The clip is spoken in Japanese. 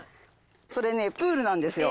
それね、プールなんですよ。